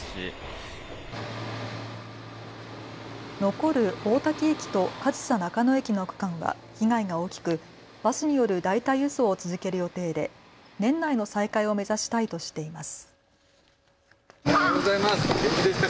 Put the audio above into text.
残る大多喜駅と上総中野駅の区間は被害が大きくバスによる代替輸送を続ける予定で年内の再開を目指したいとしています。